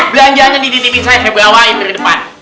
belanjaannya di tv saya saya bawain di depan